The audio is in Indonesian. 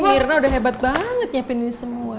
mirna udah hebat banget nyepiin ini semua